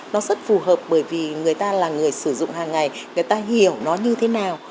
nó rất phù hợp bởi vì người ta là người sử dụng hàng ngày người ta hiểu nó như thế nào